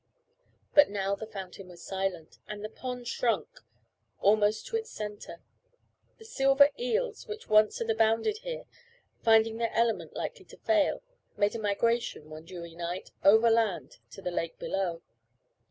But now the fountain was silent, and the pond shrunk almost to its centre. The silver eels which once had abounded here, finding their element likely to fail, made a migration, one dewy night, overland to the lake below.